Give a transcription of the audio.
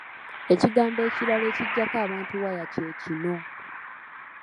Ekigambo ekirala ekiggyako abantu waya kye kino.